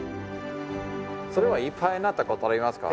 それはいっぱいになったことはありますか？